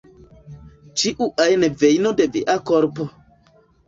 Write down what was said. Ĉiu ajn vejno de via korpo".